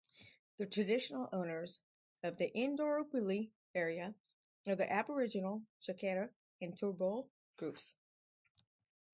The traditional owners of the Indooroopilly area are the Aboriginal Jagera and Turrbal groups.